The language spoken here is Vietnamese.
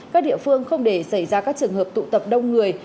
các địa phương không để xảy ra các trường hợp tụ tập đông người